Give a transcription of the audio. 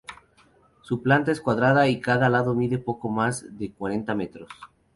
Su planta es cuadrada y cada lado mide poco más de cuarenta metros.